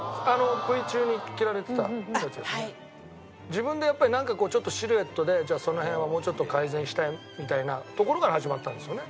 自分でやっぱりなんかこうちょっとシルエットでその辺はもうちょっと改善したいみたいなところから始まったんですよね？